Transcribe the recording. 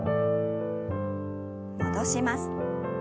戻します。